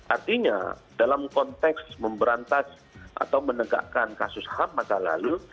artinya dalam konteks memberantas atau menegakkan kasus ham masa lalu